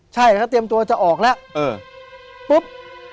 ใช่แล้วเตรียมตัวจะออกแล้วปุ๊บ